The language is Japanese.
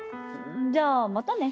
じゃあまたね。